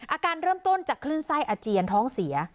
อาการเริ่มต้นจากคลื่นไส้อาเจียนท้องเสีย